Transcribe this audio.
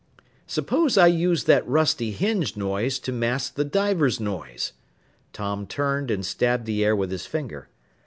"Suppose I used that rusty hinge noise to mask the diver's noise." Tom turned and stabbed the air with his finger.